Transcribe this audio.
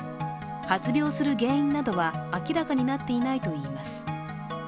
発病する原因などは明らかになっていないといいます。